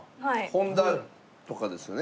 本田とかですよね？